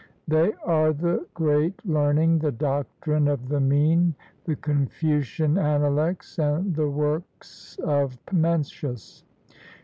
They are the Great Learning, the Doctrine of the Mean, the Confucian Analects, and the works of Mencius.